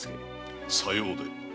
さようで。